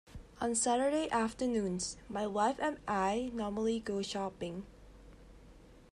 On Saturday afternoons my wife and I normally go shopping